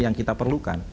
yang kita perlukan